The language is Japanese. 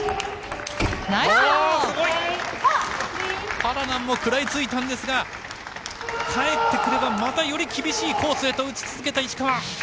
パラナンも食らいついたんですが返ってくればまたより厳しいコースに打ち続けた石川。